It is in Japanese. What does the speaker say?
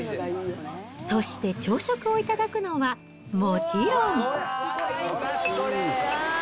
そして朝食を頂くのは、もちろん。